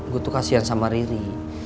gue tuh kasian sama riri